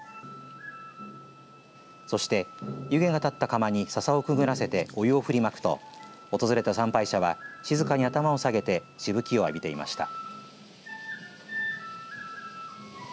そして湯気が立った釜にささをくぐらせてお湯を振りまくと訪れた参拝者は静かに頭を下げてしぶきを浴びていました。